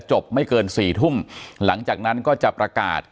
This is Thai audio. มีการแจกคูปองซึ่งเป็นคูปองเป็ดเหลืองที่ใช้แทนเงินสด